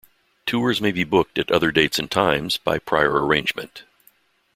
Tours may be booked, at other dates and times, by prior arrangement.